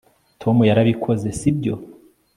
tom yarabikoze, si byo